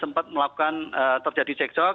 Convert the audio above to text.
sehingga korban melakukan terjadi cekcok